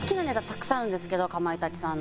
たくさんあるんですけどかまいたちさんの。